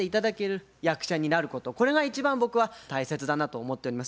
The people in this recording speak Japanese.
これが一番僕は大切だなと思っております。